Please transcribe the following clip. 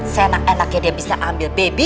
seenak enaknya dia bisa ambil baby